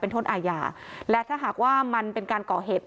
โทษอาญาและถ้าหากว่ามันเป็นการก่อเหตุ